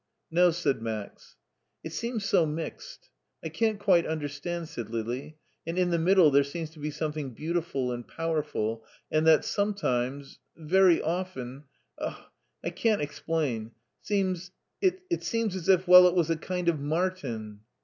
•' No," said Max. "It seems so mixed. I can't quite understand," said Lili ;" and in the middle there seems to be some thing beautiful and powerful, and that sometimes, very often— oh, I can't explain — seems, it seems as if, well, it was a kind of Martin."